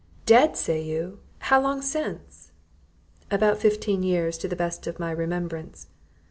"Dead! say you? how long since?" "About fifteen years, to the best of my remembrance."